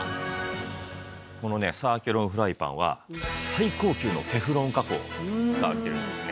このねサーキュロンフライパンは最高級のテフロン加工が使われているんですね。